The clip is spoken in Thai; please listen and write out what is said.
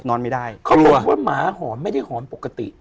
เขาบอกว่าหมาหอนไม่ได้หอนปกติ